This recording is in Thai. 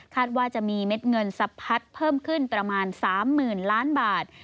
ว่าจะมีเม็ดเงินสะพัดเพิ่มขึ้นประมาณ๓๐๐๐ล้านบาท